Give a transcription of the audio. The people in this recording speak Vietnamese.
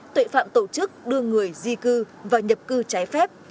tội phạm tổ chức đưa người di cư và nhập cư trái phép